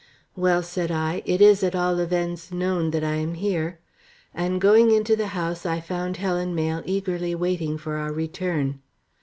"Well," said I, "it is at all events known that I am here," and going into the house I found Helen Mayle eagerly waiting for our return.